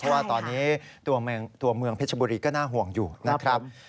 เพราะว่าตอนนี้ตัวเมืองเพชรบุรีก็น่าห่วงอยู่นะครับ